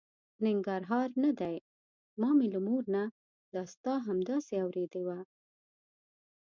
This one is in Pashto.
ننګرهار نه دی، ما مې له مور نه دا ستا همداسې اورېدې وه.